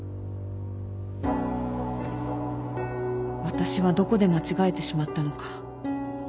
私はどこで間違えてしまったのか